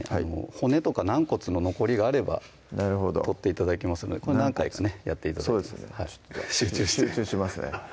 骨とか軟骨の残りがあれば取って頂きますのでこれ何回かねやって頂いてますそうですねちょっと集中しますね